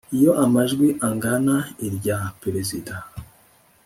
Iyo amajwi angana irya Perezida